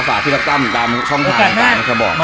ฝากพี่ลักตั้มตามช่องไทยประกันมาก